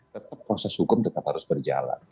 tetap proses hukum tetap harus berjalan